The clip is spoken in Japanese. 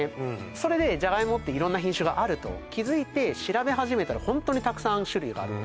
それでじゃがいもって色んな品種があると気づいて調べ始めたらホントにたくさん種類がある